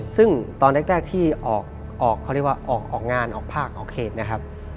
ซึ่งตอนแรกที่ออกงานออกภาคออกเขตนะครับ